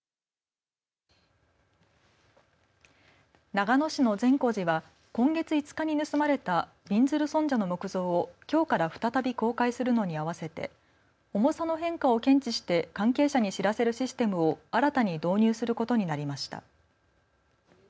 長野市の善光寺は今月５日に盗まれたびんずる尊者の木像をきょうから再び公開するのに合わせて重さの変化を検知して関係者に知らせるシステムを新たに導入することになりました。